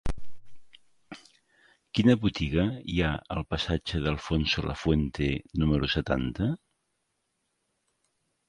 Quina botiga hi ha al passatge d'Alfonso Lafuente número setanta?